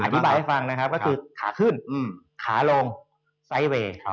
อธิบายให้ฟังนะครับก็คือขาขึ้นขาลงไซส์เวย์